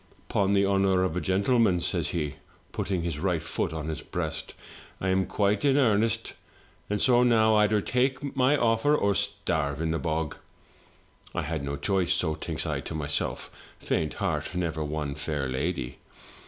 " "Pon the honour of a gentleman,' says he, putting his right foot on his breast, 'I am quite in earnest; and so now either take my offer or starve in the bog!' "I had no choice; so, thinks I to myself, faint heart never won fair lady.